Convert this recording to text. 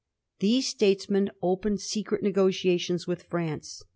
These statesmen opened secret negotiations with France.